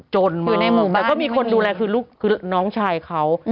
จนมากแต่ก็มีคนดูแลคือน้องชายเขา